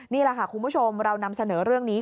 นี่แหละค่ะคุณผู้ชมเรานำเสนอเรื่องนี้